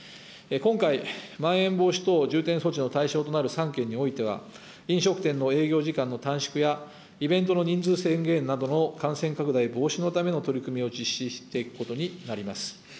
今回、まん延防止等重点措置の対象となる３県においては、飲食店の営業時間の短縮や、イベントの人数制限などの感染拡大防止のための取り組みを実施していくことになります。